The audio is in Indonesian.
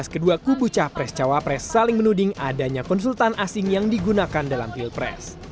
kedua kubu capres cawapres saling menuding adanya konsultan asing yang digunakan dalam pilpres